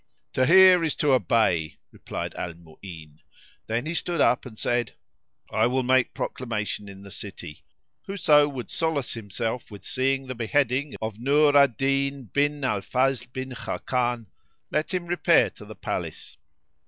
"To hear is to obey," replied Al Mu'ín: then he stood up and said, "I will make proclamation in the city:—Whoso would solace himself with seeing the beheading of Nur al Din bin al Fazl bin Khákán, let him repair to the palace!